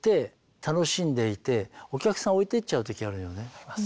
あります。